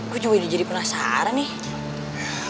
gue juga udah jadi penasaran nih